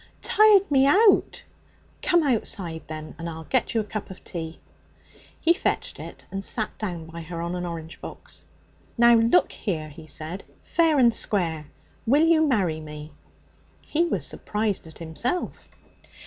'H'm?' 'Tired me out.' 'Come outside, then, and I'll get you a cup of tea.' He fetched it and sat down by her on an orange box. 'Now look here,' he said, 'fair and square, will you marry me?' He was surprised at himself.